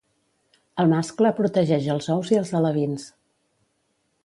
El mascle protegeix els ous i els alevins.